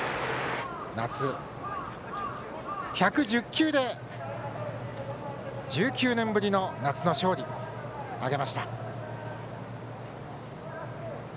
１１９球で１９年ぶりの夏の勝利を挙げました。